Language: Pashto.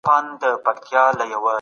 ځوانان له فکري سرچينو څخه لرې پاته شول.